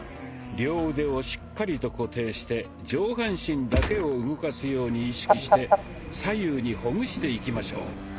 両腕をしっかりと固定して上半身だけを動かすように意識して左右にほぐしていきましょう。